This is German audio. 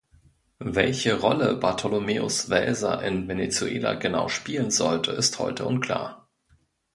Welche Rolle Bartholomäus Welser in Venezuela genau spielen sollte, ist heute unklar.